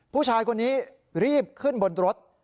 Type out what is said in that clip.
ผู้ชายคนนี้รีบขึ้นบนรถ